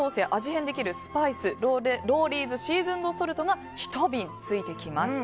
変できるスパイスロウリーズ・シーズンド・ソルトが１瓶ついてきます。